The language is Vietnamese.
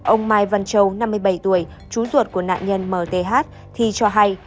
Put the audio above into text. ông mai văn châu năm mươi bảy tuổi chú ruột của nạn nhân mth thì cho hay